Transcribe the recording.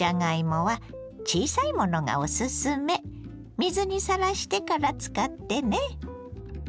水にさらしてから使ってね。